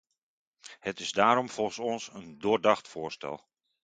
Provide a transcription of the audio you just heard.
Het is daarom volgens ons een doordacht voorstel.